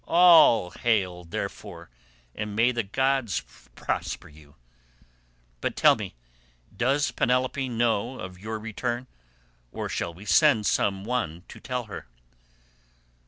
All hail, therefore, and may the gods prosper you.187 But tell me, does Penelope already know of your return, or shall we send some one to tell her?"